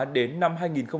đến năm hai nghìn hai mươi năm